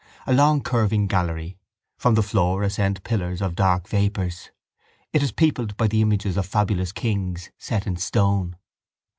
A long curving gallery. From the floor ascend pillars of dark vapours. It is peopled by the images of fabulous kings, set in stone.